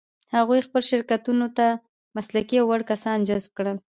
هغوی خپلو شرکتونو ته مسلکي او وړ کسان جذب کړل.